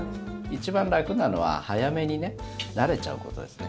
一番楽なのは早めに慣れちゃうことですね。